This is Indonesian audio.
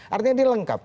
artinya ini lengkap